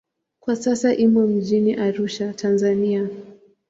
Kwa sasa imo mjini Arusha, Tanzania.